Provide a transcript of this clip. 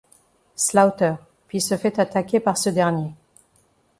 Slaughter puis se fait attaquer par ce dernier.